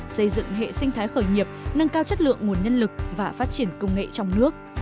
xây dựng hệ sinh thái khởi nghiệp nâng cao chất lượng nguồn nhân lực và phát triển công nghệ trong nước